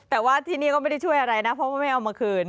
แต่ว่าที่นี่ก็ไม่ได้ช่วยอะไรนะเพราะว่าไม่เอามาคืน